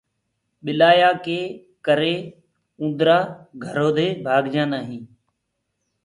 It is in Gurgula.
ٻلِآيآ ڪي ڪري اُوندرآ گھرو دي ڀآگجآسي۔